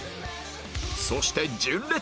そして純烈